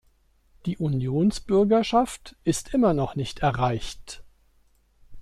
Die Unionsbürgerschaft ist immer noch nicht erreicht.